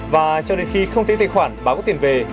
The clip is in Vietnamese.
và cho đến khi không thấy tài khoản báo có tiền về